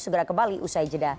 segera kembali usai jeda